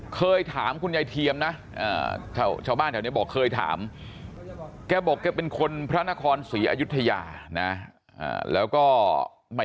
เคยถามคุณยายเทียมนะชาวบ้านแถวนี้บอกเคยถาม